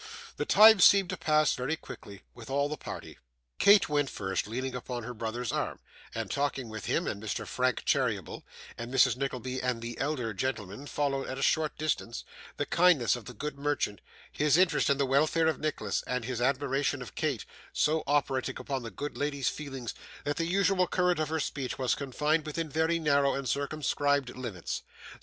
The time seemed to pass very quickly with all the party. Kate went first, leaning upon her brother's arm, and talking with him and Mr. Frank Cheeryble; and Mrs. Nickleby and the elder gentleman followed at a short distance, the kindness of the good merchant, his interest in the welfare of Nicholas, and his admiration of Kate, so operating upon the good lady's feelings, that the usual current of her speech was confined within very narrow and circumscribed limits.